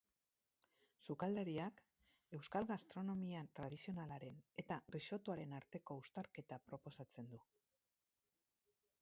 Sukaldariak euskal gastronomia tradizionalaren eta risottoaren arteko uztarketa proposatzen du.